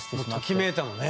ときめいたのね。